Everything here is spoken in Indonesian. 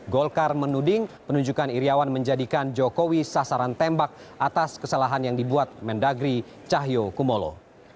golkar menuding penunjukan iryawan menjadikan jokowi sasaran tembak atas kesalahan yang dibuat mendagri cahyo kumolo